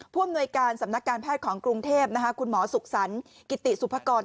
อำนวยการสำนักการแพทย์ของกรุงเทพคุณหมอสุขสรรค์กิติสุภกร